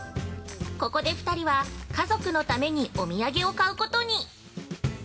ここで２人は家族のためにお土産を買うことに！